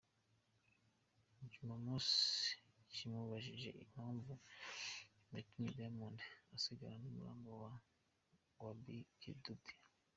Jumamosi kimubajije impamvu yatumye Diamond asigarana numurambo wa Bi Kidude,.